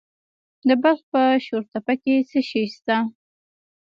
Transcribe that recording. د بلخ په شورتپه کې څه شی شته؟